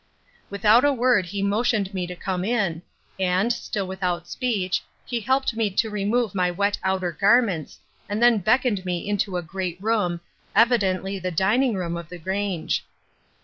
Without a word he motioned me to come in, and, still without speech, he helped me to remove my wet outer garments, and then beckoned me into a great room, evidently the dining room of the Grange.